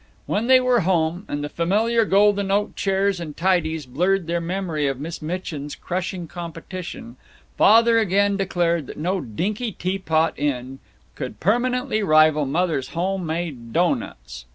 When they were home, and the familiar golden oak chairs and tidies blurred their memory of Miss Mitchin's crushing competition, Father again declared that no dinky tea pot inn could permanently rival Mother's home made doughnuts.